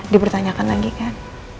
dipertanyakan lagi kan